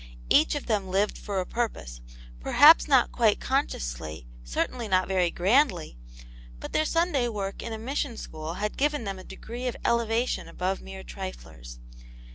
Each of them lived for a purpose ; perhaps not quite con sciously, certainly not very grandly ; but their Sun day work in a mission school had given them a degree of elevation above mere triflers.